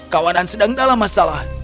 kawanan sedang dalam masalah